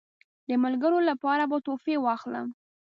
د ملګرو لپاره به تحفې واخلم.